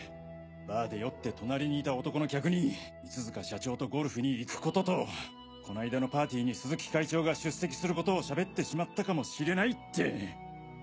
バーで酔って隣にいた男の客に三塚社長とゴルフに行くこととこの間のパーティーに鈴木会長が出席することをしゃべってしまったかもしれないって。